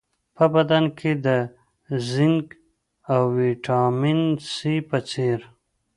په بدن کې د زېنک او ویټامین سي په څېر